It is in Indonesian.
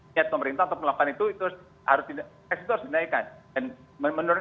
kalau pemerintah untuk melakukan itu itu harus dinaikkan